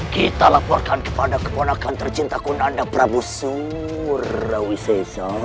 kita laporkan kepada keponakan tercinta kunanda prabu surawisesa